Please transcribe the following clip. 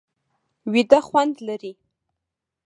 ویده خوند لري